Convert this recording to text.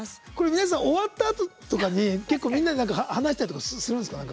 皆さん、終わったあととか結構、みんなで話したりとかするんですか？